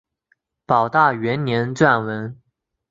保大元年撰文。